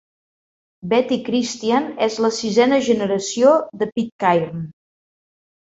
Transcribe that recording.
Betty Christian és la sisena generació de Pitcairn.